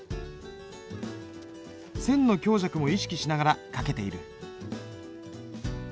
線の強弱も意識しながら書けている。